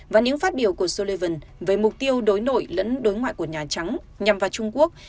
và những phát biểu của sullivan về mục tiêu đối nội lẫn đối ngoại của nhà trắng nhằm vào trung quốc